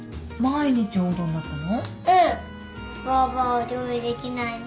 ばあばはお料理できないの？